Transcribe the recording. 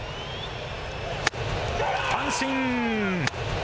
三振。